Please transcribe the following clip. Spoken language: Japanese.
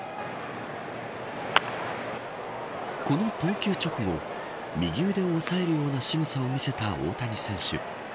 この投球直後右腕を押さえるようなしぐさを見せた大谷選手。